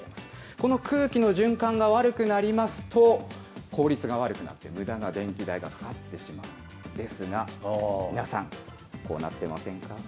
この空気の循環が悪くなりますと、効率が悪くなって、むだな電気代がかかってしまうということですが、皆さん、こうなってませんか？